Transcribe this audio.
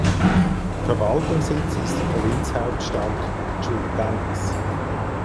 Verwaltungssitz ist die Provinzhauptstadt Chulucanas.